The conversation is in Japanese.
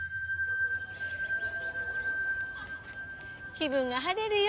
気分が晴れるよ！